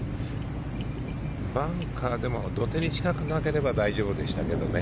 バンカーでも土手に近くなければ大丈夫でしたけどね。